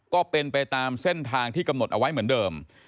ก็เป็นไปตามเส้นทางที่กำหนดเอาไว้เหมือนเดิม